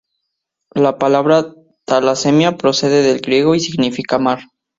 La palabra talasemia procede del griego y significa mar.